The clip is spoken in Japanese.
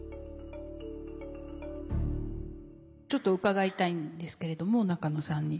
ちょっと伺いたいんですけれども中野さんに。